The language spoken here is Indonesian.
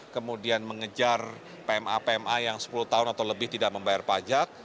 kemudian mengejar pma pma yang sepuluh tahun atau lebih tidak membayar pajak